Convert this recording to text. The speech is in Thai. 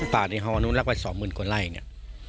ป่าในฮนู้นรักว่าสองหมื่นกว่าไร่